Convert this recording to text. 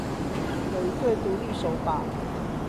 有一對獨立手把